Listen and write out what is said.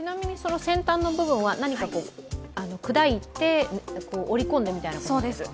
先端の部分は砕いて織り込んでみたいなことですか。